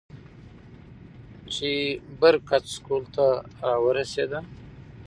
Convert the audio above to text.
چې بر کڅ سکول ته راورسېدۀ ـ